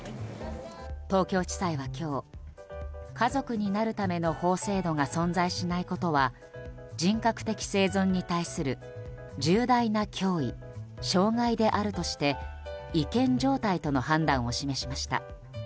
東京地裁は今日家族になるための法制度が存在しないことは人格的生存に対する重大な脅威・障害であるとして違憲状態との判断を示しました。